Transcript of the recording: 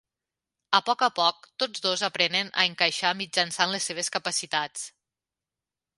A poc a poc, tots dos aprenen a encaixar mitjançant les seves capacitats.